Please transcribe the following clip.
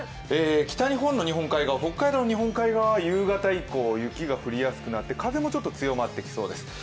北日本の日本海側、北海道の日本海側は夕方以降、雪が降りやすくなって、風もちょっと強まってきそうです。